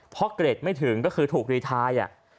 เพราะเกร็ดไม่ถึงก็คือถูกรีไท